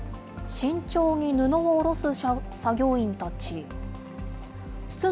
慎重に布を下ろす作業員たち。